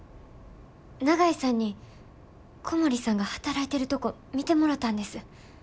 長井さんに小森さんが働いてるとこ見てもろたんです。